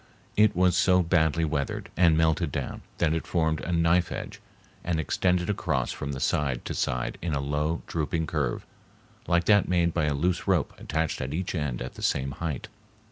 It was so badly weathered and melted down that it formed a knife edge, and extended across from side to side in a low, drooping curve like that made by a loose rope attached at each end at the same height.